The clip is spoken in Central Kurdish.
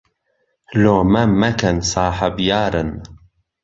لۆمە مەکەن ساحەب یارن